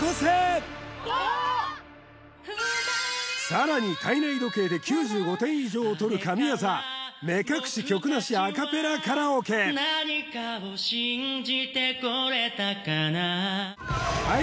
さらに体内時計で９５点以上をとる神業目隠し曲なしアカペラカラオケ何かを信じてこれたかなぁ